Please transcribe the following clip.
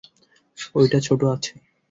ঐটা ছোট আছে।